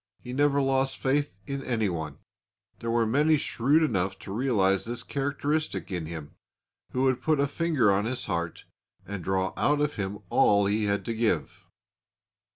He never lost faith in anyone. There were many shrewd enough to realise this characteristic in him, who would put a finger on his heart and draw out of him all he had to give.